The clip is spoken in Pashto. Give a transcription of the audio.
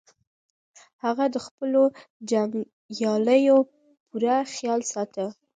هغه د خپلو جنګیالیو پوره خیال ساته.